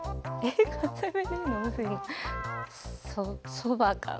そばかな。